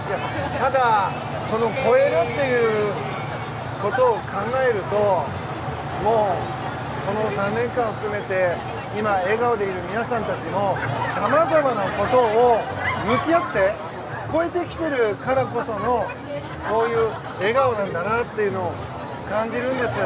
ただ、超えるということを考えるとこの３年間を含めて今、笑顔でいる皆さんたちのさまざまなことを向き合って超えてきているからこそこういう笑顔なんだなというのを感じるんですよ。